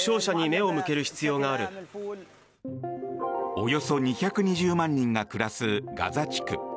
およそ２２０万人が暮らすガザ地区。